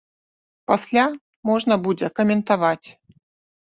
Пасля можна будзе каментаваць.